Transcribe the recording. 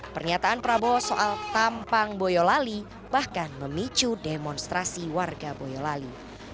pernyataan prabowo soal tampang boyolali bahkan memicu demonstrasi warga boyolali